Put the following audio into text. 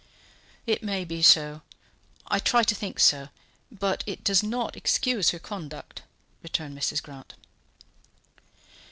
"It may be so; I try to think so; but it does not excuse her conduct," returned Mrs. Grant.